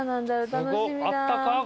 あったか